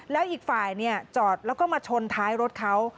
แล้วอีกฝ่ายจอดแล้วก็มาชนท้ายรถเขา